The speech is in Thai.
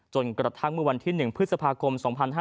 กระทั่งเมื่อวันที่๑พฤษภาคม๒๕๕๙